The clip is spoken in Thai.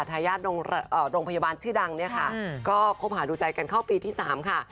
ทายาทโรงพยาบาลชื่อดังเนี่ยค่ะก็คบหาดูใจกันเข้าปีที่๓ค่ะ